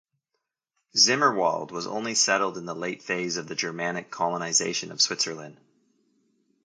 Zimmerwald was only settled in the late phase of the Germanic colonisation of Switzerland.